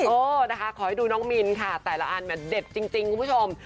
เออนะคะขอให้ดูน้องมินค่ะแต่ละอันเด็ดจริงคุณผู้ชม